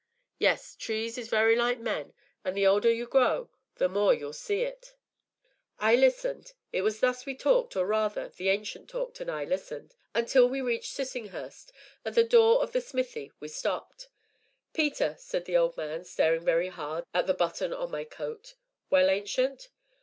Yes, trees is very like men, an' the older you grow the more you'll see it." It was thus we talked, or rather, the Ancient talked and I listened, until we reached Sissinghurst. At the door of the smithy we stopped. "Peter," said the old man, staring very hard at a button on my coat. "Well, Ancient?"